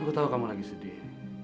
aku tahu kamu lagi sedih